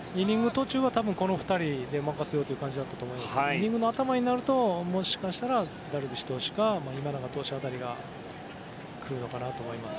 途中はこの２人に任せるという感じだと思いますがイニングの頭になるともしかしたらダルビッシュ投手か今永投手あたりが来るのかなと思います。